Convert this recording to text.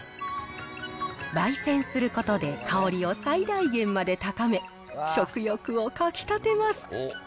ばい煎することで香りを最大限まで高め、食欲をかきたてます。